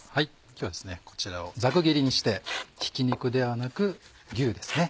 今日はこちらをざく切りにしてひき肉ではなく牛ですね